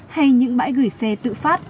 hay những bãi gửi xe tự phát